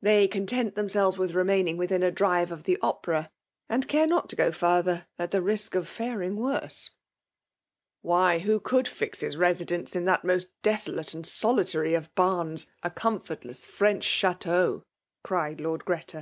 They coo tent dmnselves with remaining withm a drive of the Opera ; and care not to go fiurther, at the risk of faring worse." " Why, who could fix his residence in that most desolate and solitary of bams, a comfort less French chftteau r cried Lord Greta.